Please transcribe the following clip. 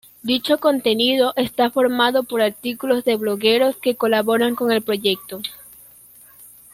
Dicho contenido está formado por artículos de blogueros que colaboran con el proyecto.